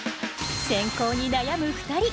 選考に悩む２人。